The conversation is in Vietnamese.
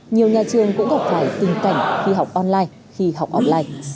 nhiều nhà trường cũng gặp phải tình cảnh khi học online khi học online